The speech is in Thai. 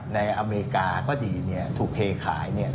ในอเมริกาก็ดีถูกเคขายเนี่ย